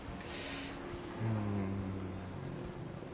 うん。